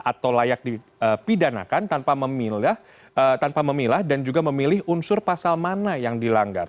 atau layak dipidanakan tanpa memilah dan juga memilih unsur pasal mana yang dilanggar